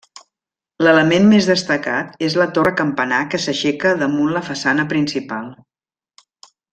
L'element més destacat és la torre campanar que s'aixeca damunt la façana principal.